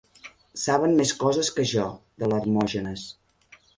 Saben més coses que jo, de l'Hermògenes.